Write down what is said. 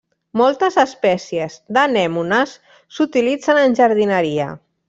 Moltes espècies d'anemones s'utilitzen en jardineria.